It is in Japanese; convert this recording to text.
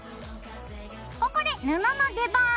ここで布の出番。